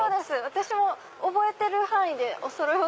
私も覚えてる範囲でおそろいを。